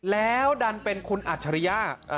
แล้วดันเป็นคุณอัจฉริยะ